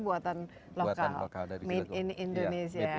buatan lokal made in indonesia